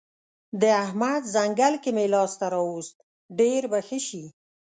د احمد ځنګل که مې لاس ته راوست؛ ډېر به ښه شي.